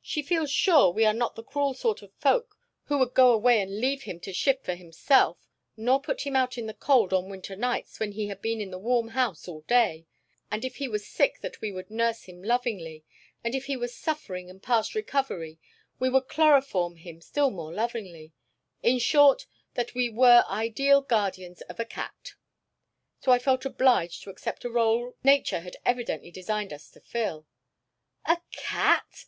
She feels sure we are not the cruel sort of folk who would go away and leave him to shift for himself, nor put him out in the cold on winter nights when he had been in the warm house all day, and if he were sick that we would nurse him lovingly, and if he were suffering and past recovery we would chloroform him still more lovingly in short, that we were ideal guardians of a cat. So I felt obliged to accept a rôle nature had evidently designed us to fill." "A cat!